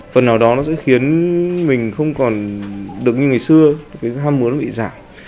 phần nào đó nó sẽ khiến mình không còn được như ngày xưa cái ham muốn nó bị giảm